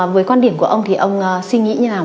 với quan điểm của ông thì ông suy nghĩ như thế nào